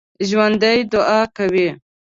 ژوندي دعا کوي